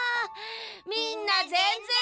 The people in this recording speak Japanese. みんなぜんぜん。